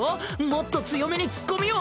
もっと強めにツッコミを！